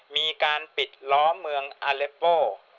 มีการปิดล้อมเมืองอาเลโป้